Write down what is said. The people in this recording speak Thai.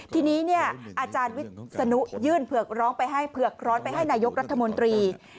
ทีนี้อาจารย์วิศนุยื่นเผือกร้อนไปให้นายกรัฐมนตรี